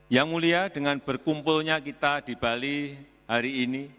yang mulia dengan berkumpulnya kita di bali hari ini